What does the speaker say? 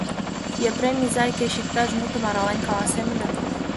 Епрем изай, кеч иктаж мутым арален каласем ыле.